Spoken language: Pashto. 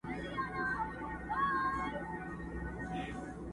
پر لویانو کشرانو باندي گران وو،